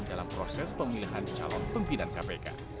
dalam proses pemilihan calon pimpinan kpk